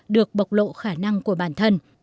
được bộc lộ khả năng của bản thân